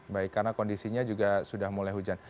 baik karena kondisinya juga sudah mulai hujan